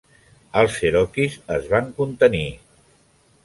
Els cherokees es va contenir.